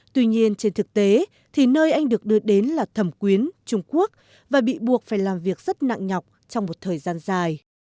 tuy nhiên trên thực tế thì nơi anh được đưa đến là thẩm quyến trung quốc và bị buộc phải làm việc rất nặng nhọc trong một thời gian dài